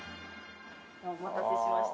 お待たせしました。